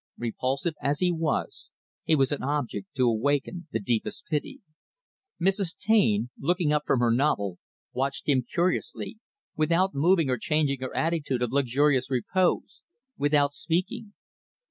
Repulsive as he was, he was an object to awaken the deepest pity. Mrs. Taine, looking up from her novel, watched him curiously without moving or changing her attitude of luxurious repose without speaking.